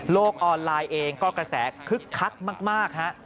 ออนไลน์เองก็กระแสคึกคักมากฮะ